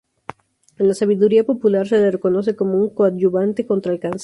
En la sabiduría popular, se le reconoce como un coadyuvante contra el cáncer.